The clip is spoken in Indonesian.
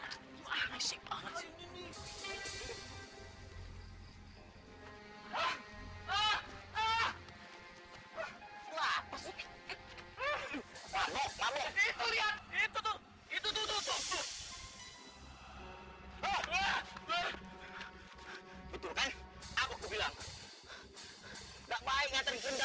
sampai jumpa di video selanjutnya